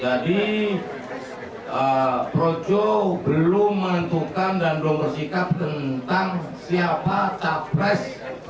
jadi projo belum mengentukan dan belum bersikap tentang siapa capres dua ribu dua puluh empat